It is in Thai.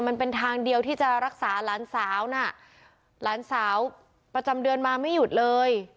มันเป็นทางเดียวที่จะรักษาหลานสาวน่ะหลานสาวประจำเดือนมาไม่หยุดเลย